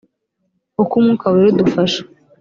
uko umwuka wera udufasha